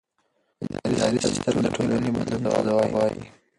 اداري سیستم د ټولنې بدلون ته ځواب وايي.